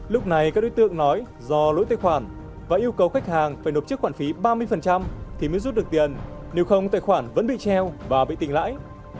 lúc này các đối tượng nói do lỗi tài khoản và yêu cầu khách hàng phải nộp chiếc khoản phí ba mươi thì mới rút được tiền nếu không tài khoản vẫn bị treo và bị tình lãi